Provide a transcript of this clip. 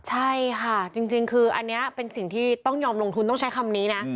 ใช่ค่ะจริงคืออันนี้เป็นสิ่งที่ต้องยอมลงทุนต้องใช้คำนี้นะ